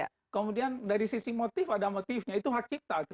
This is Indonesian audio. nah kemudian dari sisi motif ada motifnya itu hak cipta